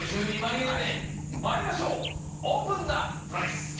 ５２万円でまいりましょうオープンザプライス！